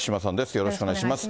よろしくお願いします。